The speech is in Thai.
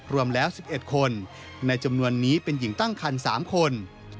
รวมแล้ว๑๑คนในจำนวนนี้เป็นหญิงตั้งคัน๓คน